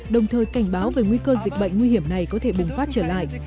đồng thời cảnh báo về nguy cơ dịch bệnh nguy hiểm này có thể bùng phát trở lại